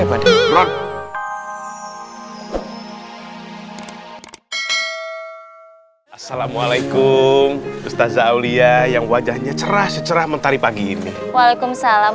assalamualaikum ustaz zaulia yang wajahnya cerah cerah mentari pagi ini waalaikumsalam